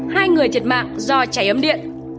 hai người thiệt mạng do cháy ấm điện